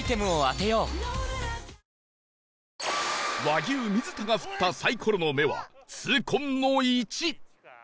和牛水田が振ったサイコロの目は痛恨の「１」